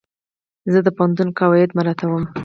زه د پوهنتون قواعد مراعتوم.